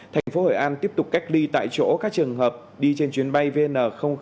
thành phố hội an tiếp tục cách ly tại chỗ các trường hợp đi trên chuyến bay vn năm